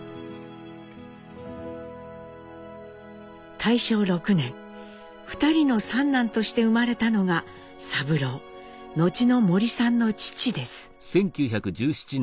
大正６年２人の三男として生まれたのが三郎後の森さんの父です。